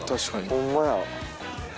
ホンマや。